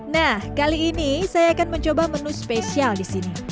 nah kali ini saya akan mencoba menu spesial disini